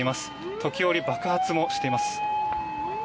時折、爆発もしています。